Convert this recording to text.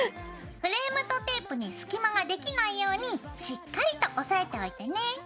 フレームとテープに隙間ができないようにしっかりと押さえておいてね！